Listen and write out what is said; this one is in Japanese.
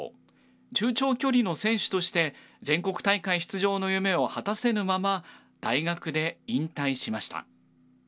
中長距離の選手として全国大会出場の夢を果たせぬまま大学で引退しました。